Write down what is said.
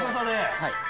はい。